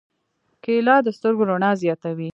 کېله د سترګو رڼا زیاتوي.